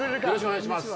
お願いします。